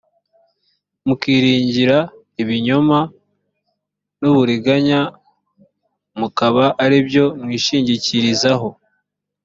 mukiringira ibinyoma n uburiganya mukaba ari byo mwishingikirizaho